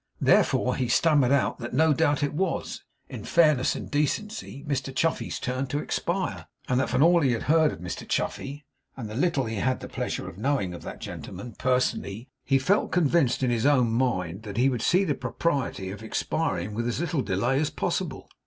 Therefore he stammered out that no doubt it was, in fairness and decency, Mr Chuffey's turn to expire; and that from all he had heard of Mr Chuffey, and the little he had the pleasure of knowing of that gentleman, personally, he felt convinced in his own mind that he would see the propriety of expiring with as little delay as possible.